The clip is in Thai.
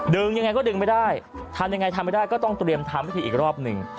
ยังไงก็ดึงไม่ได้ทำยังไงทำไม่ได้ก็ต้องเตรียมทำพิธีอีกรอบหนึ่ง